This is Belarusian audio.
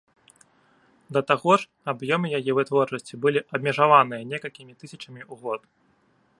Да таго ж аб'ёмы яе вытворчасці былі абмежаваныя некалькімі тысячамі у год.